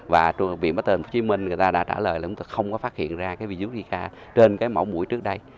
và viện pasteur tp hcm đã trả lời là chúng tôi không có phát hiện ra virus zika trên cái mẫu mũi trước đây